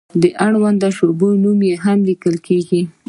د اړونده شعبې نوم هم لیکل کیږي.